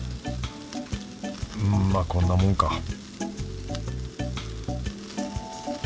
うんまぁこんなもんか